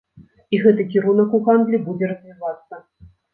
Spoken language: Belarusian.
І гэты кірунак у гандлі будзе развівацца.